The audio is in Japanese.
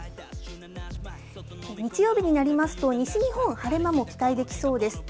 日曜日になりますと、西日本、晴れ間も期待できそうです。